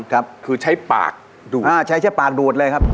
คือใช้ปากดูดใช้ใช้ปากดูดเลยครับ